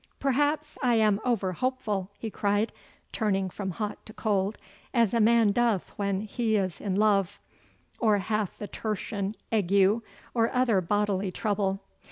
'Perhaps I am over hopeful,' he cried, turning from hot to cold, as a man doth when he is in love, or hath the tertian ague, or other bodily trouble.